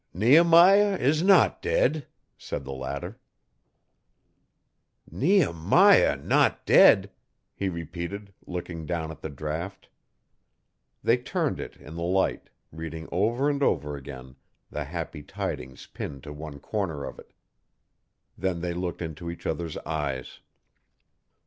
'Nehemiah is not dead,' said the latter. 'Nehemiah not dead!' he repeated, looking down at the draft. They turned it in the light, reading over and over again the happy tidings pinned to one corner of it. Then they looked into each other's eyes.